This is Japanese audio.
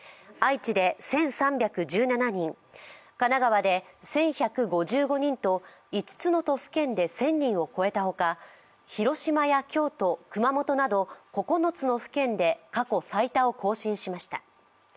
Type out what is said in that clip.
愛知で１３１７人、神奈川で１１５５人と５つの都府県で１０００人を超えたほか広島や京都、熊本など９つの府県で過去最多を更新しました。